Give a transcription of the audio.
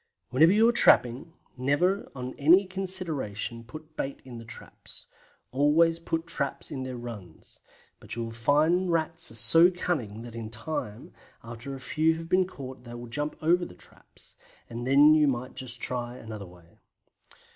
Whenever you are trapping, never on any consideration put bait on the traps; always put traps in their runs, but you will find Rats are so cunning that in time, after a few have been caught, they will jump over the traps, and then you must try another way.